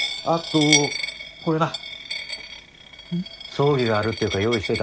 葬儀があるっていうから用意しといた。